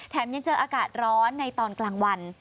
ยังเจออากาศร้อนในตอนกลางวัน